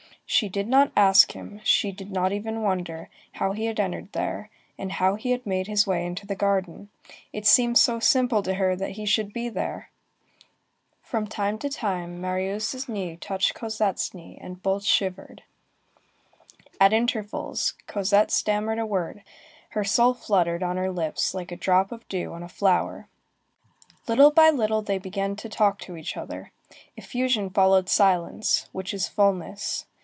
She did not ask him, she did not even wonder, how he had entered there, and how he had made his way into the garden. It seemed so simple to her that he should be there! From time to time, Marius' knee touched Cosette's knee, and both shivered. At intervals, Cosette stammered a word. Her soul fluttered on her lips like a drop of dew on a flower. Little by little they began to talk to each other. Effusion followed silence, which is fulness.